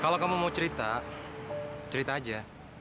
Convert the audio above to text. kalau kamu mau cerita cerita aja